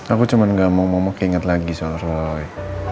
aku cuma gak mau mau keinget lagi soh roy